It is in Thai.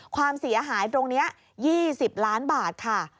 ความเสียหายตรงนี้๒๐ล้านบาทค่ะ